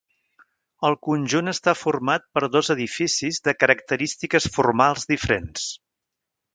El conjunt està format per dos edificis de característiques formals diferents.